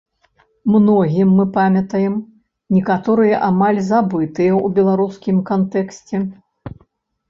Многіх мы памятаем, некаторыя амаль забытыя ў беларускім кантэксце.